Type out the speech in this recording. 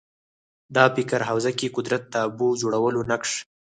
د فکر حوزه کې قدرت تابو جوړولو نقش